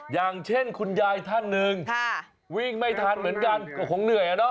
อย่างเช่นคุณยายท่านหนึ่งวิ่งไม่ทันเหมือนกันก็คงเหนื่อยอะเนาะ